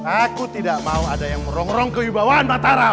aku tidak mau ada yang merongrong kewibawaan mataram